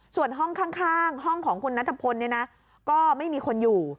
ส่วนห้องข้างห้องของคุณนัตรพนธ์ก็ไม่มีคนอยู่